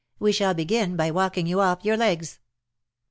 We shall begin by walking you off your legs."